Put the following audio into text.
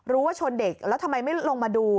รู้ว่าชนเด็กแล้วทำไมไม่ลงมาดู